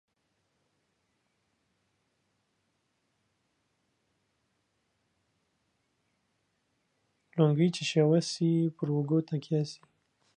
لنگۍ چې شوه سي ، پر اوږو تکيه سي.